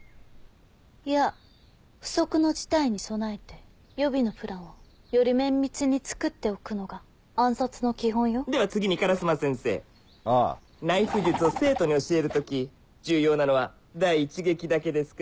いや不測の事態に備えて予備のプランをより綿密に作っておくのが暗殺の基本よでは次に烏間先生ああナイフ術を生徒に教える時重要なのは第１撃だけですか？